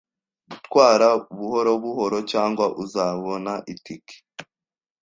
Gutwara buhoro buhoro, cyangwa uzabona itike.